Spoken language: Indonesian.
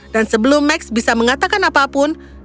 dan sebelum max bisa mengatakan apapun